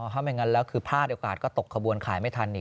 ถ้าไม่งั้นแล้วคือพลาดโอกาสก็ตกขบวนขายไม่ทันอีก